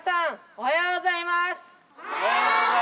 おはようございます。